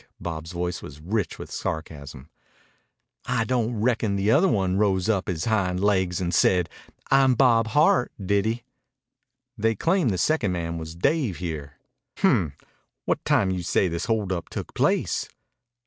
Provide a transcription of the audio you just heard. Bob's voice was rich with sarcasm. "I don't reckon the other one rose up on his hind laigs and said, 'I'm Bob Hart,' did he?" "They claim the second man was Dave here." "Hmp! What time d'you say this hold up took place?"